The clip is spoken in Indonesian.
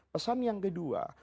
pesan yang kedua